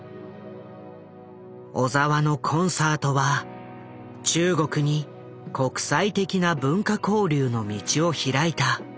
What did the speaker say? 小澤のコンサートは中国に国際的な文化交流の道を開いた。